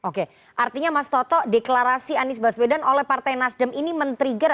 oke artinya mas toto deklarasi anies baswedan oleh partai nasdem ini men trigger